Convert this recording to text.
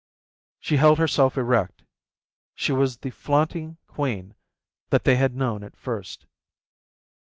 She held herself erect. She was the flaunting quean that they had known at first.